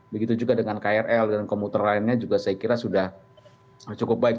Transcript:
begitu juga dengan krl dan komuter lainnya juga saya kira sudah cukup baik